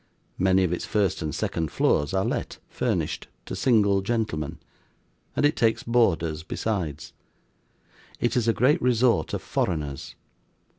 Many of its first and second floors are let, furnished, to single gentlemen; and it takes boarders besides. It is a great resort of foreigners.